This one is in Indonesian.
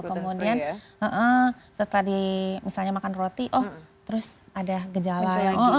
kemudian setelah di misalnya makan roti oh terus ada gejala